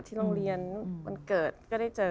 โรงเรียนวันเกิดก็ได้เจอ